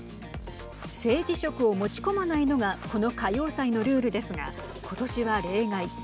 政治色を持ち込まないのがこの歌謡祭のルールですがことしは例外。